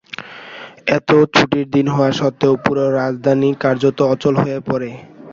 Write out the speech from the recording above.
এতে ছুটির দিন হওয়া সত্ত্বেও পুরো রাজধানী কার্যত অচল হয়ে পড়ে।